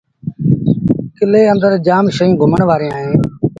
ڪلي اندر جآم شئيٚن گھمڻ وآريٚݩ اهيݩ۔